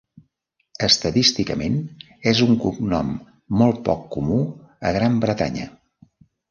Estadísticament és un cognom molt poc comú a Gran Bretanya.